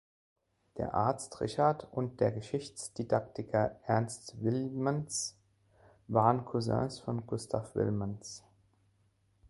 Der Arzt Richard und der Geschichtsdidaktiker Ernst Wilmanns waren Cousins von Gustav Wilmanns.